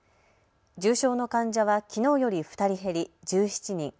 重症の患者はきのうより２人減り１７人。